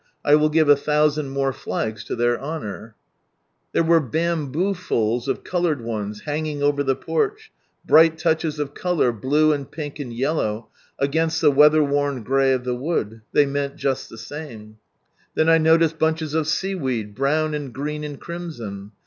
■i ^ag, , Ikcir There were bamboofuls of coloured ones, hanging over the porch, brjght touches of colour, blue and pinic and yellow, against the weatherworn grey of the wood — they me.int just the same. Then I noticed bunches of sea weed, brown and green and crimson.